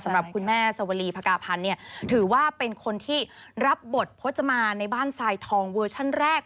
สำหรับคุณแม่สวรีภากาพันธ์เนี่ยถือว่าเป็นคนที่รับบทพจมาในบ้านทรายทองเวอร์ชั่นแรก